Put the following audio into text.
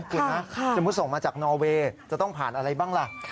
คุณนะสมมุติส่งมาจากนอเวย์จะต้องผ่านอะไรบ้างล่ะ